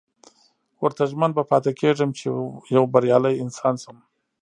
ورته ژمن به پاتې کېږم چې يو بريالی انسان شم.